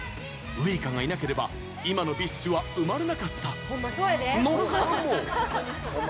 ウイカがいなければ今のＢｉＳＨは生まれなかったのかも。